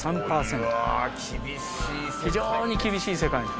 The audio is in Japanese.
非常に厳しい世界。